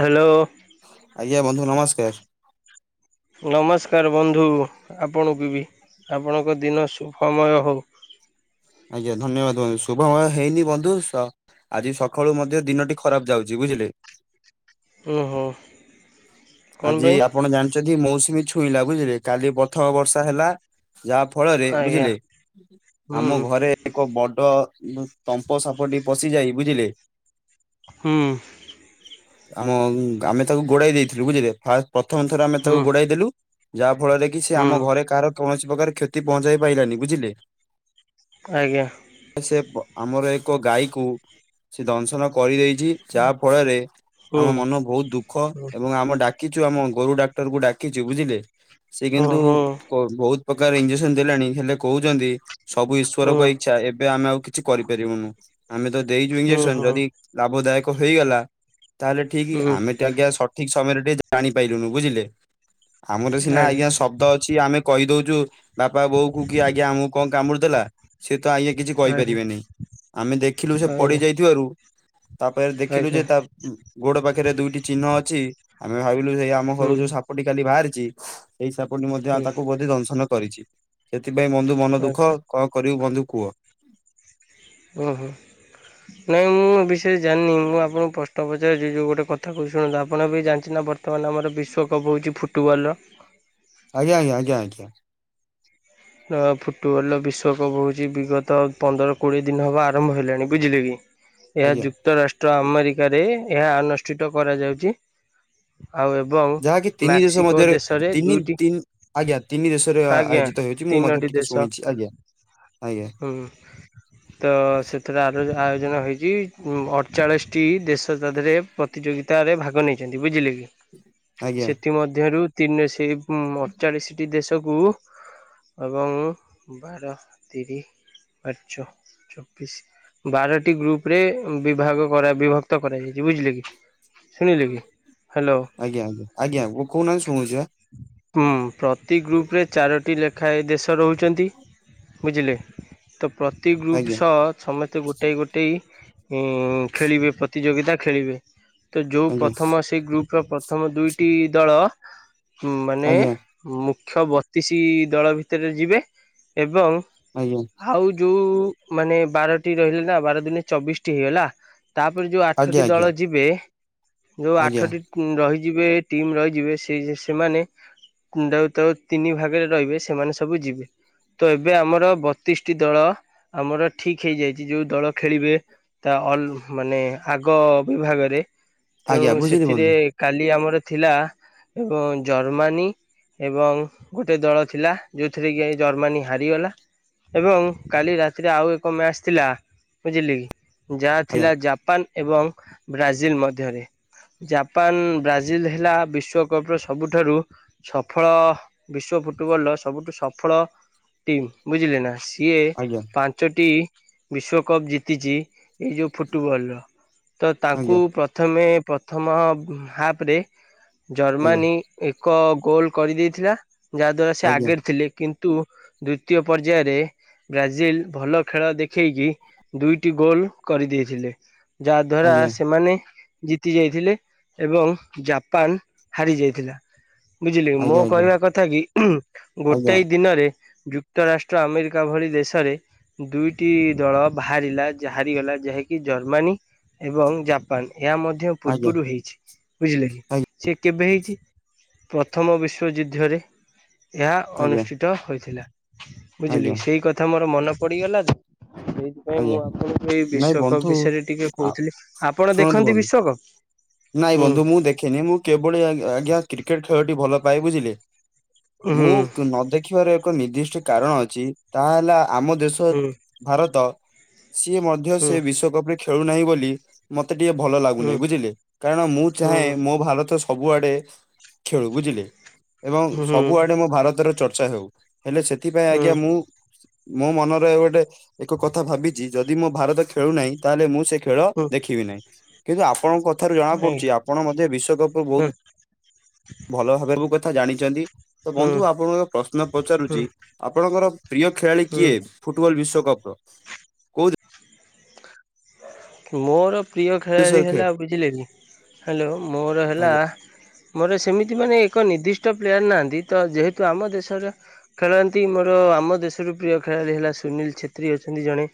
Hello. ଆଜ୍ଞା ବନ୍ଧୁ ନମସ୍କାର। ନମସ୍କାର ବନ୍ଧୁ ଆପଣଙ୍କୁ ବି ଆପଣଙ୍କ ଦିନ ସୁୁଭମୟ ହଉ। ଆଜ୍ଞା ଧନ୍ୟବାଦ ବନ୍ଧୁ ଶୁଭମୟ ହେଇନି ବନ୍ଧୁ ସହ ଆଜି ସକାଳୁ ମଧ୍ୟ ଦିନଟି ଖରାପ ଯାଉଛି ବୁଝିଲେ। ଉ ହୁଁ। କଣ ଆଜି ପାଇଁ ଆପଣ ଜାଣିଛନ୍ତି ମୌସୁମୀ ଛୁଇଁଲା ବୁଝିଲେ କାଲି ପଥମ ବର୍ଷା ହେଲା। ଯାହା ଫଳରେ ଆଜ୍ଞା। ବୁଝିଲେ ହୁଁ ଆମ ଘରେ ଏକ ବଡ ଉ ତମ୍ପ ସାପଟି ପଶିଯାଇ ବୁଝିଲେ ହୁଁ। ଆମ ଆମେ ତାକୁ ଗୋଡାଇ ଦେଇଥିଲୁ ବୁଝିଲେ ଫା ପ୍ରଥମ ଥର ଆମେ ହୁଁ ତାକୁ ଗୋଡାଇ ଦେଲୁ ଯାହା ଫଳରେ କି ସେ ଆମ ହୁଁ ଘରେ କାହାର କୌଣସି ପ୍ରକାର କ୍ଷତି ପହଞ୍ଚାଇ ପାଇଲାନି ବୁଝିଲେ। ଆଜ୍ଞା। ସେ ଆମର ଏକ ଗାଈକୁ ସେ ଦଂଶନ କରିଦେଇ ଚି ଯାହା ଫଳରେ ହୁଁ ଆମ ମନ ବହୁତ ଦୁଃଖ। ଏବଂ ଆମେ ଡାକିଛୁ ଆମ ଗୋରୁ ଡାକ୍ତରକୁ ଡାକିଛୁ ବୁଝିଲେ ସେ ହୁଁ କିନ୍ତୁ ହୁଁ ହୁଁ। କ ବହୁତ ପ୍ରକାର ଇଞ୍ଜେକ୍ସନ ଦେଲାଣି ହେଲେ କହୁଛନ୍ତି ସବୁ ଈଶ୍ଵରଙ୍କ ହୁଁ ଇଚ୍ଛା ଏବେ ଆମେ ଆଉ କି କିଛି କରିପାରିବୁନୁ ଆମେ ତ ଦେଇଛୁ ଇଞଜେକ୍ସନ ହୁଁ ଯଦି ଲାଭ ଦାୟକ ହେଇଗଲା ତାହେଲେ ଠିକ ହୁଁ ହୁଁ ଆମେ ତ ଆଜ୍ଞା ସଠିକ ସମୟରେ ଟିକେ ଜାଣି ପାଇଲୁନୁ ବୁଝିଲେ। ଆମର ସିନା ଆଜ୍ଞା ଶବ୍ଦ ଅଛି ଆମେ କହିଦଉଛୁ ବାପା ବୋଉ କୁ କି ଆଜ୍ଞା ଆମକୁ କଣ କାମୁଡ଼ି ଦେଲା। ସେ ତ ଆଜ୍ଞା କିଛି ଆଜ୍ଞା କହିପାରିବେନି ଆମେ ଦେଖିଲୁ ସେ ପଡି ଆଜ୍ଞା ଯାଇଥିବାରୁ ତାପରେ ଦେଖିଲୁ ଆଜ୍ଞା ଯେ ତା ଅ ଗୋଡ ପାଖରେ ଦୁଇଟି ଚିହ୍ନ ଅ ଚି ଆମେ ଭାବିଲୁ ଯେ ଆମ ହୁଁ ଘରୁ ଯୋଉ ସାପଟି କାଲି ବାହାରିଛି ସେଇ ସାପଟି ମଧ୍ୟ ଅ ହୁଁ ତାକୁ ବ ଦଂଶନ କରିଛି ସେଥିପାଇଁ ବନ୍ଧୁ ମନ ଦୁଃଖ ଆଚ୍ଛା କଣ କରିବୁ ବନ୍ଧୁ କୁହ। ଓ ହୋ। ନାଇଁ ମୁଁ ଏ ବିଷୟରେ ଜାଣିନି ମୁଁ ଆପଣଙ୍କୁ ପ୍ରଶ୍ନ ପଚାରୁଛି ଯଉ ଗୋଟେ କଥା କହୁଛି ଶୁଣନ୍ତୁ ଆପଣ ଏବେ ଜାଣିଛନ୍ତି ନା ବର୍ତ ମାନ ଆମର ବିଶ୍ୱକପ୍ ହେଉଛି ଫୁଟବଲର। ଆଜ୍ଞା ଆଜ୍ଞା ଆଜ୍ଞା ଆଜ୍ଞା। ଫୁଟବଲ୍ ବିଶ୍ୱକପ୍ ହେଉଛି ବିଗତ ପନ୍ଦର କୋଡ଼ିଏ ଦିନ ହେବ ଆରମ୍ଭ ହେଲାଣି ବୁଝିଲେ କି। ଏହା ଆଜ୍ଞା ଯୁକ୍ତ ରାଷ୍ଟ୍ର ଆମେରିକାରେ ଏହା ଅନୁଷ୍ଠିତ କରାଯାଉଛି। ଆଉ ଏବଂ ଯାହାକି ତିନି ଦେଶ ମେକ୍ସିକୋ ମଧ୍ୟରେ ଦେଶରେ ତିନି ଦୁଇଟି ତିନି ଆଜ୍ଞା ତିନି ଦେଶରେ ଆ- ଆଜ୍ଞା। ଆୟୋଜିତ ହେଉଛି ମୁଁ ମଧ୍ୟ ତିନୋଟି ଟିକେ ଦେଶ ଶୁଣିଛି ଆଜ୍ଞା ଆଜ୍ଞା ହୁଁ। ତ ସେଥିରେ ଆର ଆୟୋଜନ ହେଇଛି ଅଠଚାଳିଶଟି ଦେଶ ତା ଦେହରେ ପ ତିଯୋଗିତାରେ ଭାଗ ନେଇଛନ୍ତି ବୁଝିଲେ କି। ଆଜ୍ଞା ସେଥିମଧ୍ୟରୁ ତିନି ସେଇ ଅଠଚାଳିଶଟି ଦେଶକୁ ଏବଂ ବାର ତିରି ବାର ଚଉ ଚତିଶ ବାରଟି ଗ୍ରୁପ ରେ ବିଭାଗ ବିଭକ୍ତ କରାଯାଇଛି ବୁଝିଲେ କି। ଶୁଣିଲେ କି ହ୍ୟାଲୋ ଆଜ୍ଞା ଆଜ୍ଞା ଆଜ୍ଞା କହୁନାହାନ୍ତି ଶୁଣୁଛି ବା। ହୁଁ ପ୍ରତି ଗ୍ରୁପ ରେ ଚାରୋଟି ଲେଖ ଖାଏ ଦେଶ ରହୁଛନ୍ତି ବୁଝିଲେ ତ ପ୍ର ପ୍ରତି ଗ୍ରୁପ ଆଜ୍ଞା ସହ ସମସ୍ତେ ଗୋଟେଏ ଗୋଟେଏ ଖେଳିବେ ପ୍ରତିଯୋଗିତା ଖେଳିବେ। ତ ଯୋଉ ଆଜ୍ଞା ପ୍ରଥମ ସେ ଗ୍ରୁପ ର ପ୍ରଥମ ଦୁଇଟି ଦଳ ମାନେ ଆଜ୍ଞା ମୁଖ୍ୟ ବତିସି ଦଳ ଭିତରେ ଯିବେ ଏବଂ ଆଜ୍ଞା। ଆଉ ଯୋଉ ମାନେ ବାରଟି ରହିଲେ ନା ବାର ଦିନେ ଚବିଶଟି ହେଇଗଲା। ତାପରେ ଯୋଉ ଆଜ୍ଞା ଆଠଟି ଆଜ୍ଞା ଦଳ ଯିବେ ଯୋଉ ଆଜ୍ଞା ଆଠଟି ରହିଯିବେ ଟିମ୍ ରହିଯିବେ ସେ ସେମାନେ ଯ ତା ତିନି ଭାଗରେ ରହିବେ ସେମାନେ ସବୁ ଯିବେ। ତ ଏବେ ଆମର ବତିଶଟି ଦଳ ଆମର ଠିକ ହେଇଯାଇଛି ଯୋଉ ଦଳ ଖେଳିବେ। ତ ଅଲ ମାନେ ଆଗ ବିଭାଗରେ ତେଣୁ ଆଜ୍ଞା ବୁଝିଲି ସେଥିରେ ବନ୍ଧୁ କାଲି ଆମର ଥିଲା ଏବଂ ଜର୍ମାନୀ ଏବଂ ଗୋଟିଏ ଦଳ ଥିଲା। ଯଉଥିରେ କି ଆଇ ଜର୍ମାନୀ ହାରିଗଲା। ଏବଂ କାଲି ରାତିରେ ଆଉ ଏକ ମ୍ୟାଚ୍ ଥିଲା ବୁଝିଲେ କି? ଯାହା ଆଜ୍ଞା ଥିଲା ଜାପାନ୍ ଏବଂ ବ୍ରାଜିଲ୍ ମଧ୍ୟରେ। ଜାପାନ୍ ବ୍ରାଜିଲ୍ ହେଲା ବିଶ୍ବକପ୍ ର ସବୁଠାରୁ ସଫଳ ବିଶ୍ୱ ଫୁଟବଲ୍ ସ ସବୁଠୁ ସଫଳ ଟିମ୍ ବୁଝିଲେ ନାଁ ସିଏ ପା ଆଜ୍ଞା ପାଞ୍ଚଟି ବିଶ୍ଵକପ୍ ଜିତିଛି ଏଇ ଯଉ ଫୁଟବଲ୍ ର ତ ତାଙ୍କୁ ଆଜ୍ଞା ପ୍ର ପ୍ରଥମେ ପ୍ରଥମ ହୁଁ ହାପରେ ଆଜ୍ଞା ଜର୍ମାନୀ ଏକ ଗୋଲ୍ କରିଦେଇଥିଲା ଯାହା ଦ୍ଵାରା ସେ ଆଜ୍ଞା ଆଗେରେ ଥିଲେ କିନ୍ତୁ ଦ୍ଵିତୀୟ ପର୍ଯ୍ୟାୟରେ ବ୍ରାଜିଲ୍ ଭଲ ଖେଳ ଦେଖେଇକି ଦୁଇଟି ଗୋଲ କରିଦେଇଥିଲେ। ଯାଆ ଦ୍ଵାରା ଆଜ୍ଞା ସେମାନେ ଜିତି ଯାଇଥିଲେ ଏବଂ ଜାପାନ୍ ହାରି ଯାଇଥିଲା। ବୁଝିଲେ ମୋ ଆଜ୍ଞା କହିବା କଥା କି ଉଁ ଉଁ ଆଜ୍ଞା ଗୋଟେ ଇ ଦି ଦିନରେ ଯୁକ୍ତ ରାଷ୍ଟ୍ର ଆମେରିକା ଭଳି ଦେଶରେ ଦୁଇଟି ଦଳ ବାହାରିଲା ଯା ହାରିଗଲା ଯାହାକି ଜର୍ମାନୀ ଏବଂ ଜାପାନ୍ ଏହା ମଧ୍ୟ ଆଜ୍ଞା ପୂର୍ବରୁ ହେଇଛି ବୁଝିଲେ କି ଆଜ୍ଞା ସେ କେବେ ହେଇଛି ପ୍ରଥମ ବିଶ୍ଵଯୁଦ୍ଧରେ ଏହା ଆଜ୍ଞା ଅନୁଷ୍ଠିତ ହୋଇଥିଲା ବୁଝିଲେ ଆଜ୍ଞା ଆଜ୍ଞା କି ସେଇ କ କଥା ମୋର ମନେ ପଡିଗଲା ଯଉ ହେଇ ଯଉ ନାଇଁ ଆଜ୍ଞା ମୁଁ ଆପଣଙ୍କୁ ଏଇ ନାଇଁ ବିଶ୍ଵକପ୍ ବନ୍ଧୁ ବିଷୟରେ ଟିକେ ଆ କହୁଥିଲି ଆପଣ ଶୁଣନ୍ତୁ ଦେଖନ୍ତି ବନ୍ଧୁ ବିଶ୍ଵକପ୍। ନାଇଁ ହୁଁ ବନ୍ଧୁ ମୁଁ ଦେଖେନି ମୁଁ କି ଭଳି ଆଜ୍ଞା କ୍ରିକେଟ୍ ଖେଳଟି ଭଲ ପାଏ ବୁଝିଲେ? ହୁଁ ମୁଁ ନ ଦେଖିବାର ଏକ ନିର୍ଦ୍ଦିଷ୍ଟ କାରଣ ଅଛି ତାହା ହେଲା ଆମ ଦେଶ ହୁଁ ଭାରତ ସିଏ ମଧ୍ୟ ହୁଁ ସେ ବିଶ୍ବକପ୍ ରେ ଖେଳୁନାହିଁ ବୋଲି ମତେ ଟିକେ ଭଲ ହୁଁ ଲାଗୁନାହିଁ ବୁଝିଲେ କାରଣ ମୁଁ ଚାହେଁ ହୁଁ ମୋ ଭାରତ ସବୁଆଡେ ଖେଳୁ ବୁଝିଲେ ଏବଂ ହୁଁ ସବୁଆଡେ ମୋ ଭାରତର ଚର୍ଚ୍ଚା ହେଉ। ହେଲେ ସେଥିପାଇଁ ହୁଁ ଆଜ୍ଞା ମୁଁ ମୋ ମନରେ ଗୋଟେ ଏକ କଥା ଭାବିଚି ଯଦି ମୋ ଭାରତ ଖେଳୁନାହିଁ ତାହେଲେ ମୁଁ ସେ ଖେଳ ହୁଁ ଦେଖିବି ନାହିଁ କିନ୍ତୁ ଆପଣଙ୍କ କଥାରୁ ଜଣା ନାଇଁ ପଡୁଛି ଆପ ଆପଣ ମଧ୍ୟ ବିଶ୍ବକପ୍ ରୁ ହୁଁ ବହୁତ୍ ଭଲ ଭାବରେ ମୋ କଥା ଜାଣିଛନ୍ତି। ତ ହୁଁ ବନ୍ଧୁ ଆପଣଙ୍କୁ ଏକ ପ୍ରଶ୍ନ ପଚାରୁଚି ହୁଁ ଆପଣଙ୍କର ପ୍ରିୟ ଖେଳାଳି ହୁଁ କିଏ? ଫୁଟବଲ୍ ବିଶ୍ବକପ୍ ର। କୋଉ ମୋର ପ୍ରିୟ ଖେଳାଳି ଦେଶର ଖେଳ ହେଲା ବୁଝିଲେ କି ହାଲୋ ମୋର ହେଲା ଆଜ୍ଞା ମୋର ସେମିତି ମାନେ ଏକ ନିର୍ଦ୍ଦିଷ୍ଟ ପ୍ଲେୟାର ନାହାନ୍ତି ତ ଯେହେତୁ ଆମ ଦେଶର ଖେଳାନ୍ତି ମୋର ଆମ ଦେଶରୁ ପ୍ରିୟ ଖେଳାଳି ହେଲା ସୁନୀଲ୍ ଛେତ୍ରୀ ଅଛନ୍ତି ଜଣେ।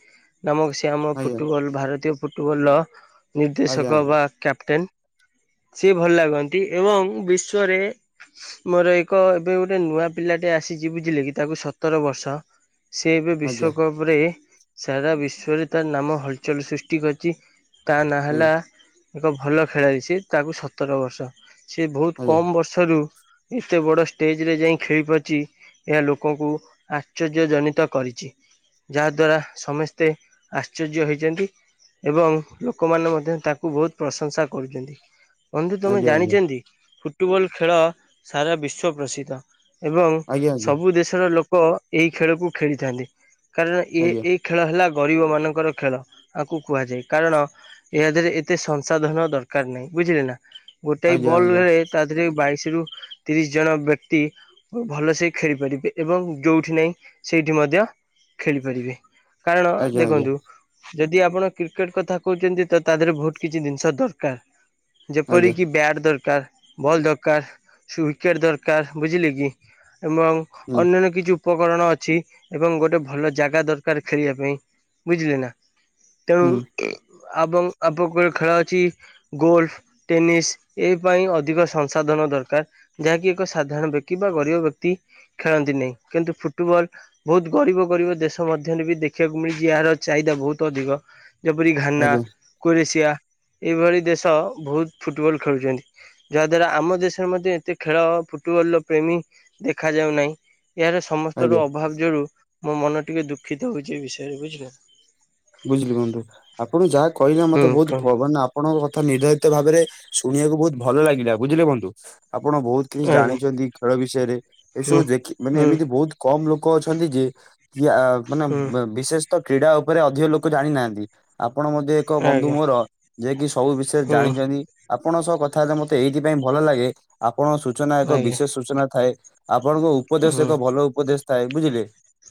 ନାମକ ସେ ଆମ ଆଜ୍ଞା ଫୁଟବଲ୍ ଭାରତୀୟ ଫୁଟବଲ୍ ର ନିର୍ଦ୍ଦେଶକ ଆଜ୍ଞା ବା କ୍ୟାପଟେନ୍। ସିଏ ଭଲ ଲାଗନ୍ତି ଏବଂ ବିଶ୍ଵରେ ମୋର ଏକ ଏବେ ଗୋଟେ ନୂଆ ପିଲାଟେ ଆସିଚି ବୁଝିଲେ କି ତାକୁ ସତର ବର୍ଷ। ସେ ଏବେ ଆଜ୍ଞା ବିଶ୍ବକପ୍ ରେ ସାରା ବିଶ୍ଵରେ ତା ନାମ ହଲଚଲ ସୃଷ୍ଟି କରିଛି। ତା ନାଁ ହେଲା ଏକ ଭଲ ଖେଳାଳି ସିଏ ତାକୁ ସତର ବର୍ଷ ସିଏ ବହୁତ୍ କମ୍ ବ ସରୁ ଏତେ ବଡ଼ ଷ୍ଟେଜରେ ଯାଇ ଖେଳି ପାରିଚି ଏହା ଲୋକଙ୍କୁ ଆଶ୍ଚର୍ଯ୍ୟ ଜନିତ କରିଚି। ଯାହାଦ୍ୱାରା ସମସ୍ତେ ଆଶ୍ଚର୍ଯ୍ୟ ହେଇଚନ୍ତି। ଏବଂ ଲୋକମାନେ ମଧ୍ୟ ତାଙ୍କୁ ବହୁତ୍ ପ୍ରଶଂସା କରୁଚନ୍ତି ବନ୍ଧୁ ତମେ ଆଜ୍ଞା ଆଜ୍ଞା ଜାଣିଛନ୍ତି? ଫୁଟବଲ୍ ଖେଳ ସାରା ବିଶ୍ବପ୍ରସିଦ୍ଧ ଏବଂ ଆଜ୍ଞା ସବୁ ଦେଶର ଲୋ ଲୋକ ଏଇ ଖେଳକୁ ଖେଳିଥାନ୍ତି କାରଣ ଏ ଆଜ୍ଞା ଏଇ ଖେଳ ହେଲା ଗରିବ ମାନଙ୍କର ଖେଳ। ଆକୁ କୁହାଯାଏ କାରଣ ଏହା ଧେରେ ଏତେ ସଂସଧନ ଦରକାର୍ କାର ନାହିଁ ବୁଝିଲେ ନାଁ? ଗୋଟାଏ ଆଜ୍ଞା ବଲ୍ ରେ ତା ଧେରେ ବାଇଶ ରୁ ତିରିଶ ଜଣ ବ୍ୟକ୍ତି ଭଲସେ ହିଁ ଖେଳିପାରିବେ ଏବଂ ଯୋଉଠି ନାହିଁ ସେଇଠି ମଧ୍ୟ ଖେଳିପାରିବେ। କାରଣ ଆଜ୍ଞା ଆଜ୍ଞା ଆଜ୍ଞା ଆଜ୍ଞା ଆଜ୍ଞା ଆଜ୍ଞା ଆଜ୍ଞା ଦେଖନ୍ତୁ। ଯଦି ଆପଣ କ୍ରିକେଟ କଥା କୋହୁଚନ୍ତି ତ ତା ଦେହେରେ ବୋହୁତ କିଛି ଜିନିଷ ଦରକାର। ଆଜ୍ଞା ଯେପରିକି ବ୍ୟାଟ୍ ଦରକାର। ବଲ୍ ଦକାର ସୁ ୱିକେଟ ଦରକାର ବୁଝିଲେ କି ଏବଂ ହୁଁ ଅନ୍ୟାନ୍ୟ କିଛି ଉପକରଣ ଅଛି ଏବଂ ଗୋଟେ ଭଲ ଜାଗା ଦରକାର ଖେଳିବା ପାଇଁ ବୁଝିଲେ ନା। ହୁଁ ତେଣୁ ଆବଂ [unintelligible] ଖେଳ ଅଛି ଗୋଲଫ୍ ଟେନିସ୍ ଏଇ ପାଇଁ ଅଧିକ ସଂସାଧନ ଦରକାର। ଯାହାକି ଏକ ସାଧାରଣ ବ୍ୟକ୍ତି ବା ଗରିବ ବ୍ୟକ୍ତି ଖେଳନ୍ତି ନାହିଁ କିନ୍ତୁ ଫୁଟୁବଲ। ବୋହୁତ ଗରିବ ଗରିବ ଦେଶ ମଧ୍ୟରେ ବି ଦେଖିବାକୁ ମିଳଛି ଏହାର ଚାହିଦା ବୋହୁତ ଅଧିକ ଯେପରି ଘାନା ଆଜ୍ଞା କୋରେସିଆ। ଏହିଭଳି ଦେଶ ବୋହୁତ ଫୁଟୁବଲ୍ ଖେଳୁଚନ୍ତି। ଯାହାଦ୍ଵାରା ଆମ ଦେଶରେ ମଧ୍ୟ ଏତେ ଖେଳ ଫୁଟୁବଲର ପ୍ରେମୀ ଦେଖା ଯାଉ ନାହିଁ ଏହାର ଆଜ୍ଞା ସମସ୍ତର ଅଭାବ ଯୋଗୁ ମୋ ମନ ଟିକେ ଦୁଃଖିତ ହୋଉଛି ଏ ବିଷୟରେ ବୁଝିଲେ। ବୁଝିଲୁ ବନ୍ଧୁ ଆପଣ ଯାହା କହିଲେ ମତେ ହୁଁ ବୋହୁତ କୁହନ୍ତୁ [unintelligible] ଆପଣଙ୍କ କଥା ନିର୍ଦ୍ଧାରିତ ଭାବରେ ଶୁଣିବାକୁ ବୋହୁତ ଭଲ ଲାଗିଲା ବୁଝିଲେ ବନ୍ଧୁ। ଆପଣ ବୋହୁତ କିଛି ଆଜ୍ଞା ଜାଣିଛନ୍ତି ଖେଳ ବିଷୟରେ ହୁଁ ଏସବୁ ଦେଖି ମାନେ ହୁଁ ଏମିତି ବୋହୁତ କମ୍ ଲୋକୋ ଅଛନ୍ତି ଯିଏ କି ଆ ମାନେ ହୁଁ ବିଶେଷ ତ କ୍ରୀଡ଼ା ଓପୋରେ ଅ ଧିକ ଲୋକୋ ଜାଣିନାହାନ୍ତି ଆପଣ ମଧ୍ୟ ଏକ ବନ୍ଧୁ ଆଜ୍ଞା ମୋର ଯେ କିି ସବୁ ବିଷୟରେ ହୁଁ ଜାଣିଚନ୍ତି। ଆପଣଙ୍କ ସହ କଥା ହେଲେ ମତେ ଏଇଥିପାଇଁ ଭଲ ଲାଗେ। ଆପଣଙ୍କ ସୂଚନା ଏକ ଆଜ୍ଞା ବିଶେଷ ସୂଚନା ଥାଏ ଆପଣଙ୍କ ଉପଦେଶ ହୁଁ ଏକ ଭଲ ଉପଦେଶ ଥାଏ ବୁଝିଲେ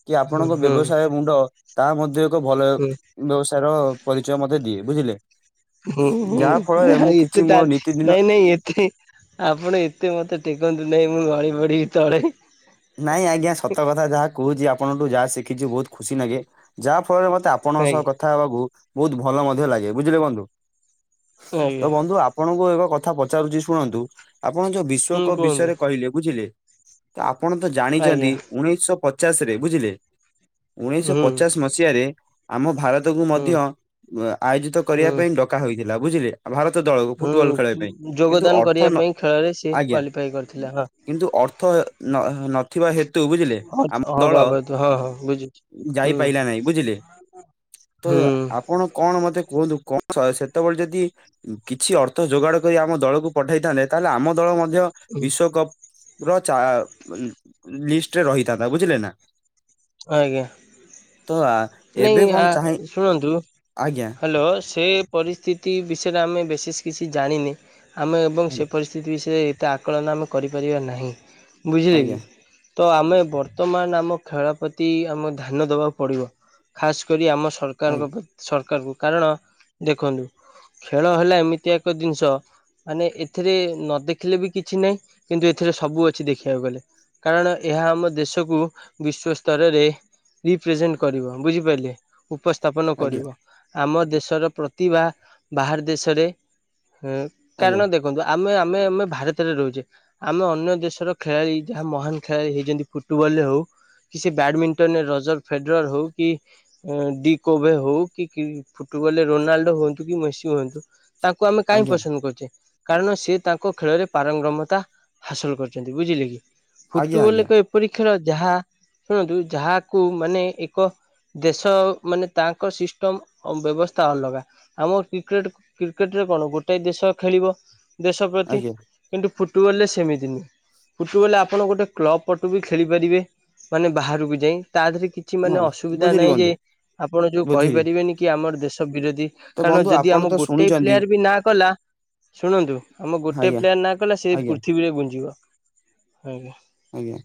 କି ହୁଁ ଆପଣଙ୍କ ହୁଁ ବ୍ୟବସାୟ ମୁଣ୍ଡ ତାହା ମଧ୍ୟ ଏକ ଭଲ [unintelligible] ବ୍ୟବସାୟ ର ପରିଚୟ ମତେ ଦିଏ ବୁଝିଲେ। ଯାହା [unintelligible] ଫଳରେ ମୁଁ ନାଇଁ ଏତେ କିଛି ମୋ ତାର ନୀତିଦିନ ନାଇଁ ନାଇଁ ଏତେ ଆପଣ ଏତେ ମତେ ଟେକନ୍ତୁ ନାଇଁ ମୁଁ ଗଳି ପଡ଼ିବି ତଳେ। ନାଇଁ ଆଜ୍ଞା ସତ କଥା ଯାହା କହୁଛି ଆପଣଙ୍କଠୁ ଯାହା ଶିଖିଚି ବୋହୁତ ଖୁସି ନାଗେ। ଯାହା ଫଳରେ ମତେ ଆପଣଙ୍କ ସହ ଆଜ୍ଞା କଥା ହେବାକୁ ବୋହୁତ ଭଲ ମଧ୍ୟ ଲାଗେ ବୁଝିଲେ ବନ୍ଧୁ। ତ ଆଜ୍ଞା ବନ୍ଧୁ ଆପଣଙ୍କୁ ଏକ କଥା ପଚାରୁଚି ଶୁଣନ୍ତୁ ଆପଣ ଯୋଉ ହୁଁ ବିଶ୍ଵକପ୍ କୁହନ୍ତୁ ବିଷୟରେ କହିଲେ ବୁଝିଲେ ତ ଆପଣ ତ ଆଜ୍ଞା ଜାଣିଛନ୍ତି ଉଣେଇଶ ପଚାଶ ରେ ବୁଝିଲେ ହୁଁ ଉଣେଇଶପଚାଶ ମସ୍ ସିଆରେ ଆମ ଭାରତକୁ ହୁଁ ମଧ୍ୟ ଆୟୋଜିତ କରିବା ହୁଁ ପାଇଁ ଡକା ହୋଇଥିଲା ବୁଝିଲେ। ଭାରତ ଦଳକୁ ହୁଁ ଫୁଟୁବଲ ଖେଳିବା ପାଇଁ କିନ୍ତୁ ଯୋଗଦାନ ଅର୍ଥ କରିବା ନ ପାଇଁ ଖେଳରେ ସିଏ ଆଜ୍ଞା କ୍ୱାଲିଫାଇ କରିଥିଲା ହଁ କିନ୍ତୁ ଅର୍ଥ [unintelligible] ଥିବା ହେତୁ ବୁଝିଲେ ହଁ ଆମ ହଁ ଦଳ ବାବା ହଁ ହଁ ବୁଝୁଛି ହୁଁ ଯାଇପାଇଲା ନାହିଁ ବୁଝିଲେ। [unintelligible] ତ ହୁଁ ଆପଣ କଣ ମତେ କୁହନ୍ତୁ କଣ ସେତୋବୋଳେ ଯଦି କିଛି ଅର୍ଥ ଯୋଗାଡ କରି ଆମ ଦଳକୁ ପଠେଇଥାନ୍ତେ ତାହେଲେ ଆମ ଦଳ ମଧ୍ୟ ବିଶ୍ଵକପ ର ଚା ଲିଷ୍ଟରେ ରହିଥାନ୍ତା ବୁଝିଲେ ନା। ଆଜ୍ଞା। ତ ଆ, ନାଇଁ ଏବେ କଣ ଆ ଚାହେଁ ଶୁଣନ୍ତୁ ଆଜ୍ଞା ହାଲୋ ସେ ପରିସ୍ଥିତି ବିଷୟରେ ଆମେ ବିଶେଷ କିଛି ଜାଣିନେ ଆମେ ଏବଂ ସେ ପରିସ୍ ସ୍ଥିତି ବିଷୟରେ ଏତେ ଆକଳନା ଆମେ କରିପାରିବା ନାହିଁ ବୁଝିଲେ କି। ଆଜ୍ଞା ତ ଆମେ ବର୍ତ୍ତମାନ ଆମ ଖେଳ ପ୍ରତି ଆମକୁ ଧ୍ୟାନ ଦବାକୁ ପଡ଼ିବ। ଖାସ କରି ଆମ ସରକାରଙ୍କ ଆଜ୍ଞା ପ୍ର ସରକାରଙ୍କୁ କାରଣ ଦେଖନ୍ତୁ। ଖେଳ ହେଲା ଏମିତି ଏକ ଦିନ୍ସ। ମାନେ ଏଥିରେ ନ ଦେଖିଲେ ବି କିଛି ନାହିଁ କିନ୍ତୁ ଏଥିରେ ସବୁ ଅଛି ଦେଖିବାକୁ ଗଲେ। କାରଣ ଏହା ଆମ ଦେଶକୁ ବିଶ୍ୱସ୍ତରରେ ରିପ୍ରେଜେଣ୍ଟ କରିବ ବୁଝିପାରିଲେ ଉପସ୍ଥାପନ ଆଜ୍ଞା କରିବ। ଆମ ଦେଶର ପ୍ରତିଭା ବାହାର ଦେଶରେ କାରଣ ଆଜ୍ଞା ଦେଖ ଦେଖନ୍ତୁ ଆମେ ଆମେ ଆମେ ଭାରତରେ ରହୁଛେ ଆମେ ଅନ୍ୟ ଦେଶର ଖେଳାଳି ଯାହା ମହାନ ଖେଳାଳି ହେଇଛନ୍ତି ଫୁଟବଲରେ ହଉ କିଛି ବ୍ୟାଡମିଣ୍ଟନରେ ରଜତ ଫେଟରର ହଉ କି ଡି କୋଭେ ହଉ କି ଫୁଟବଲ ରେ ରୋନାଲ୍ଡୋ ହୁଅନ୍ତୁ କି ମେସି ହୁଅନ୍ତୁ ତାକୁ ଆମେ କାହିଁ ଆଜ୍ଞା ପସନ୍ଦ କରୁଛେ କାରଣ ସେ ତାଙ୍କ ଖେଳରେ ପାରଙ୍ଗମତା ହାସଲ କରିଛନ୍ତି ବୁଝିଲେ କି ଆଜ୍ଞା ଫୁଟୁବଲ ଆଜ୍ଞା କହ ପରୀ ଖେଳ ଯାହା ଶୁଣନ୍ତୁ ଯାହାକୁ ମାନେ ଏକ ଦେଶ ମାନେ ତାଙ୍କ ସିଷ୍ଟମ ବ୍ୟବସ୍ଥା ଅଲଗା ଆମ କ୍ରିକେଟ କ୍ରିକେଟରେ କଣ ଗୋଟାଏ ଦେଶ ଖେଳିବ ଦେଶ ପ୍ରତି ଆଜ୍ଞା କିନ୍ତୁ ଫୁଟବଲ ରେ ସେମିତି ନୁହେଁ ଫୁଟବଲ ଆପଣ ଗୋଟେ କ୍ଲବ ପଟୁ ବି ଖେଳିପାରିବେ ମାନେ ବାହାରକୁ ଯାଇ ତା ଦେହରେ କି କିଛି ମାନେ ହଁ ଅସୁବିଧା ବୁଝିଲି ନାହିଁ ଯେ ବନ୍ଧୁ ଆପଣ ଯୋଉ ବୁଝିଲି କହିପାରିବେନି କି ଆମର ଦେଶ ବିରୋଧୀ ତ କାରଣ ବନ୍ଧୁ ଯଦି ଆପଣ ଆମ ତ ଗୋଟେ ଶୁଣିଛନ୍ତି ପ୍ଲେୟାର ବି ନାଁ କଲା ଶୁଣନ୍ତୁ ଆମ ଗୋଟେ ଆଜ୍ଞା ପ୍ଲେୟାର ନା କଲେ ସେ ଆଜ୍ଞା ପୃଥିବୀରେ ଗୁଞ୍ଜିବ ଆଜ୍ଞା ଆଜ୍ଞା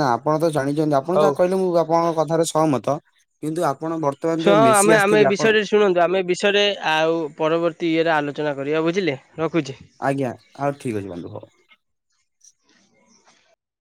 ନା ଆପଣ ତ ଜାଣିଛନ୍ତି ଆପଣ ହଉ। ଯାହା କହିଲେ ମୁଁ ଆପଣଙ୍କ କଥାରେ ସହମତ କିନ୍ତୁ ଆପଣ ବର୍ତ୍ତମାନ ଶୁଣ ଯୋଉ ଆମେ ମେସି ଆମେ ଏ ଆସିଥିଲେ ଆପଣ ବିଷୟରେ ଶୁଣନ୍ତୁ ଆମେ ବିଷୟରେ ଆଉ ପରବର୍ତ୍ତୀ ଇଏରେ ଆଲୋଚନା କରିବା ବୁଝିଲେ ରଖୁଛେ। ଆଜ୍ଞା ହଉ ଠିକ୍ ଅଛି ବନ୍ଧୁ ହଉ।